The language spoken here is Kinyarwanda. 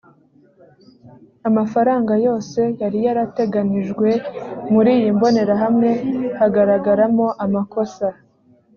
amafaranga yose yariyateganijwe muri iyi mbonerahamwe hagaragaramo amakosa